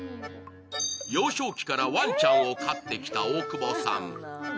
幼少期からわんちゃんを飼ってきた大久保さん。